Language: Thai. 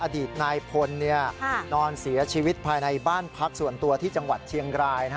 อดีตนายพลนอนเสียชีวิตภายในบ้านพักส่วนตัวที่จังหวัดเชียงราย